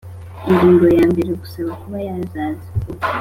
Ingingo ya mbere Gusaba kuba yazaza